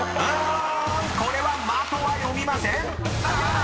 ［これは「マ」とは読みません！］